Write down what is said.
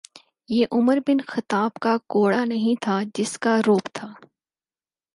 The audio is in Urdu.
یہ عمرؓ ابن خطاب کا کوڑا نہیں تھا جس کا رعب تھا۔